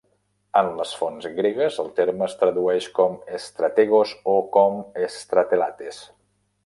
En les fonts gregues, el terme es tradueix com "strategos" o com "stratelates".